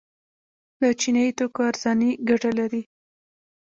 د چینایي توکو ارزاني ګټه لري؟